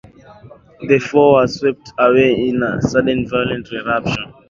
The four were swept away in a sudden violent eruption.